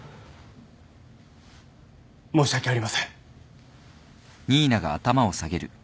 申し訳ありません。